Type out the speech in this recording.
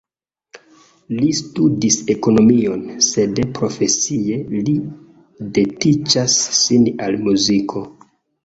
Li studis ekonomion, sed profesie li dediĉas sin al muziko.